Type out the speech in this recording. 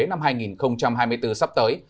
năm hai nghìn hai mươi bốn sắp tới